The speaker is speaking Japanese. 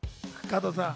加藤さん。